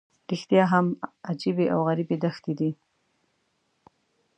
رښتیا هم عجیبې او غریبې دښتې دي.